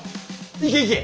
行け行け！